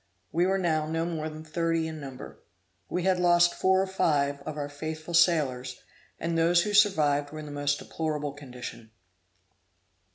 We were now no more than thirty in number. We had lost four or five of our faithful sailors, and those who survived were in the most deplorable condition.